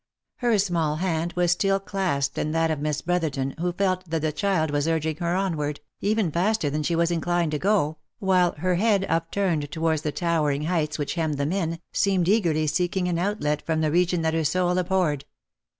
Her small hand was still clasped in that of Miss Brotherton, who felt that the child was urging her onward, even faster than she was inclined to go, while her head upturned towards the towering heights which hemmed them in, seemed eagerly seeking an outlet from the region that her soul ab horred.